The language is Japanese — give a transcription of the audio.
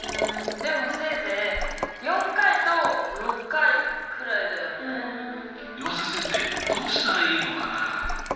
でもせいぜい湯浅先生どうしたらいいのかな？